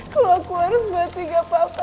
kalau aku harus mati gak apa apa